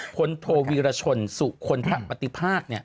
คนโทวีรชนสู่คนภักดิ์ภาค